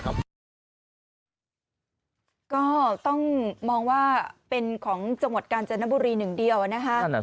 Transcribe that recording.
ก็ต้องมองว่าเป็นของจังหวัดกาญจนบุรีหนึ่งเดียวนะคะ